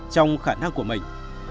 trong khả năng của mình